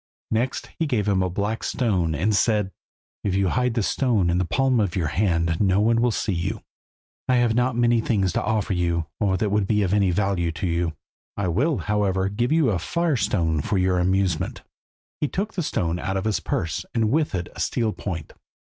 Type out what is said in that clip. Next he gave him a black stone, and said "If you hide this stone in the palm of your hand no one will see you. I have not many more things to offer you, or that would be of any value to you. I will, however, give you a firestone for your amusement." He took the stone out of his purse, and with it a steel point.